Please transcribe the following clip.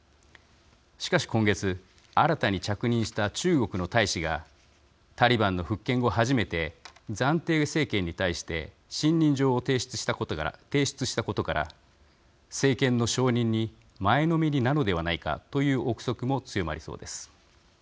しかし今月新たに着任した中国の大使がタリバンの復権後初めて暫定政権に対して信任状を提出したことから政権の承認に前のめりなのではないかという臆測も強まりそうです。